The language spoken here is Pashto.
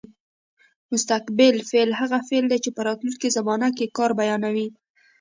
مستقبل فعل هغه فعل دی چې په راتلونکې زمانه کې کار بیانوي.